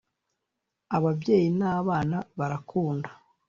Ababyeyi n’abana barakunda